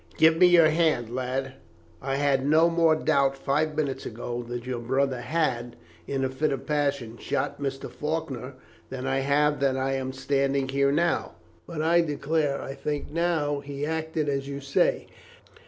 Give me your hand, lad; I had no more doubt five minutes ago that your brother had, in a fit of passion, shot Mr. Faulkner than I have that I am standing here now. But I declare I think now that he acted as you say.